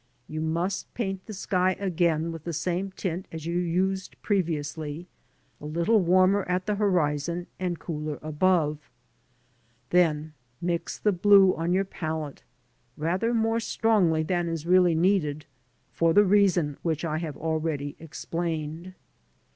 You must paint the sky again with the same tint as you used previously, a little warmer at the horizon, and cooler above. Then mix the blue on your palette, rather more strongly than is really needed, for the reason which I have already explained.